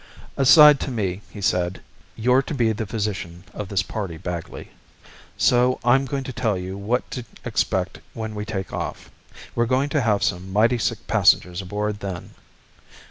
Aside to me, he said: "You're to be the physician of this party, Bagley. So I'm going to tell you what to expect when we take off. We're going to have some mighty sick passengers aboard then."